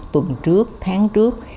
tuần trước tháng trước